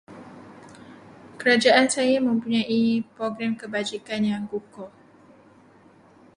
Kerajaan saya mempunyai program kebajikan yang kukuh.